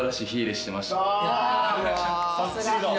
さすが。